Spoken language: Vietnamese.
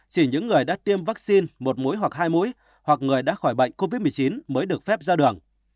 chỉ những người đã tiêm vaccine một mũi hoặc hai mũi hoặc người đã khỏi bệnh covid một mươi chín mới được phép ra đường